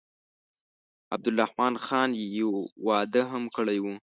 عبدالرحمن خان یو واده هم کړی وو.